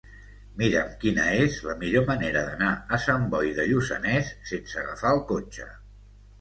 Mira'm quina és la millor manera d'anar a Sant Boi de Lluçanès sense agafar el cotxe.